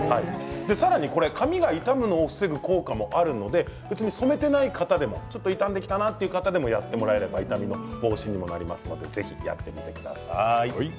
さらに髪が傷むのを防ぐ効果もあるので染めていない方でも、ちょっと傷んできた方もやってもらえれば傷みの防止にもなりますのでぜひやってみてください。